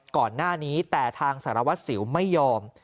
ก่อนหน้านี้แต่ทางสารวัตรสิวไม่ยอม